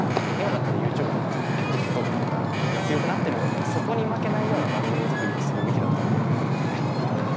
今だったらＹｏｕＴｕｂｅとかＴｉｋＴｏｋとかが強くなってるんだったらそこに負けないような番組作りをするべきだとは思うんだよね。